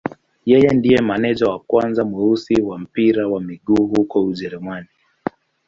Yeye ndiye meneja wa kwanza mweusi wa mpira wa miguu huko Ujerumani.